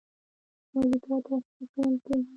د موجوداتو اشرف ګڼل کېږي.